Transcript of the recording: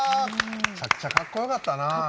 むちゃくちゃかっこよかったな。